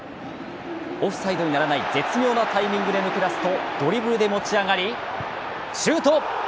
オフサイドにならない絶妙のタイミングで抜け出すとドリブルで持ち上がりシュート。